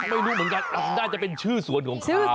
ไม่รู้เหมือนกันน่าจะเป็นชื่อสวนของเขา